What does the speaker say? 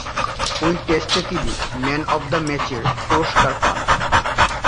ঐ টেস্টে তিনি ম্যান অব দ্য ম্যাচের পুরস্কার পান।